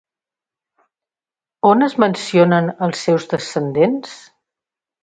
On es mencionen els seus descendents?